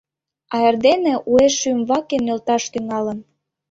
А эрдене уэш шӱмваке нӧлташ тӱҥалын.